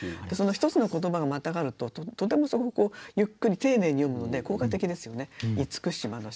でその一つの言葉がまたがるととてもそこがゆっくり丁寧に読むので効果的ですよね。